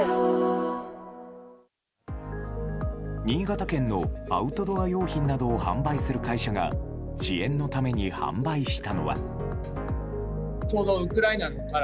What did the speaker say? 新潟県のアウトドア用品などを販売する会社が支援のために販売したのは。